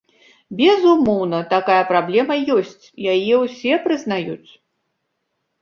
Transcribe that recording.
Безумоўна, такая праблема ёсць, яе ўсе прызнаюць.